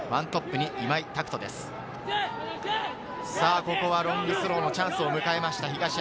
ここはロングスローのチャンスを迎えました、東山。